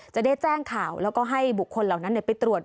จะได้แจ้งข่าวแล้วก็ให้บุคคลเหล่านั้นไปตรวจ